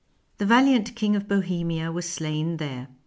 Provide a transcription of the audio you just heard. The valiant King of Bohemia was slain there.